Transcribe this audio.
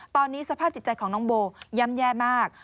ตอนนี้สภาพจิตใจของน้องโบย่ำแย่มาก